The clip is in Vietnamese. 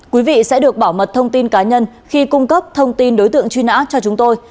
quý vị sẽ được bảo mật thông tin cá nhân khi cung cấp thông tin đối tượng truy nã cho chúng tôi